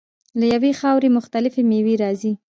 له یوې خاورې مختلفې میوې راځي.